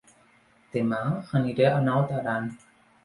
Dema aniré a Naut Aran